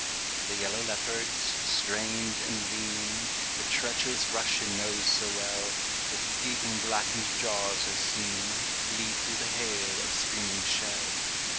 The yellow leopards, strained and lean, The treacherous Russian knows so well, With gaping blackened jaws are seen Leap through the hail of screaming shell.